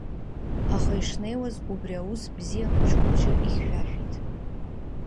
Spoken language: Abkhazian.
Аха ишнеиуаз, убри аус бзиа хәыҷ-хәыҷы ихьшәашәеит.